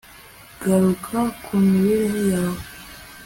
ngaruka ku mibereho yawe